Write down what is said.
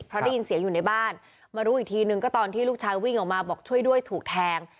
เพราะได้ยินเสียงอยู่ในบ้านมารู้อีกทีนึงก็ตอนที่ลูกชายวิ่งออกมาบอกช่วยด้วยถูกแทง